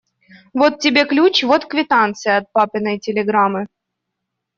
Вот тебе ключ, вот квитанция от папиной телеграммы.